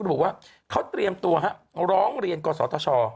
บอกว่าเขาเตรียมตัวร้องเรียนกศธช